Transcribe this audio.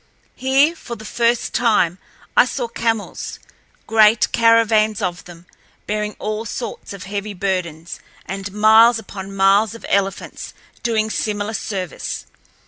Here, for the first time, I saw camels, great caravans of them, bearing all sorts of heavy burdens, and miles upon miles of elephants doing similar service.